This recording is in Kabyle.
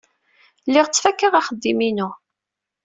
Lliɣ ttfakaɣ axeddim-inu.